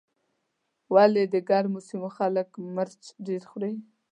ولې د ګرمو سیمو خلک مرچ ډېر خوري.